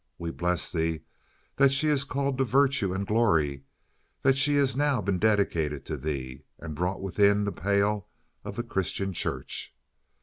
We bless Thee that she is called to virtue and glory, that she has now been dedicated to Thee, and brought within the pale of the Christian Church.